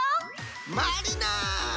まりな！